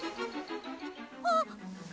あっ。